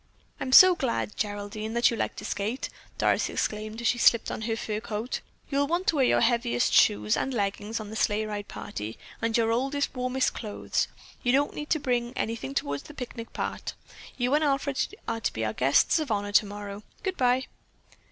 "I'm so glad, Geraldine, that you like to skate," Doris exclaimed as she slipped on her fur coat. "You'll want to wear your heaviest shoes and leggins on the sleigh ride party and your oldest, warmest clothes. You won't need to bring anything toward the picnic part. You and Alfred are to be our guests of honor tomorrow. Good bye."